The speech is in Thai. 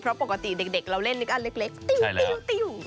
เพราะปกติเด็กเราเล่นอันเล็กติ่วอย่างนี้